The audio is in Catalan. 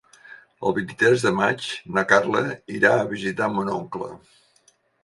El vint-i-tres de maig na Carla irà a visitar mon oncle.